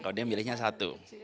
kalau dia milihnya satu